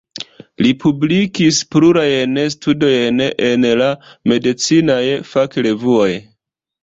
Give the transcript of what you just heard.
Li publikis plurajn studojn en la medicinaj fakrevuoj.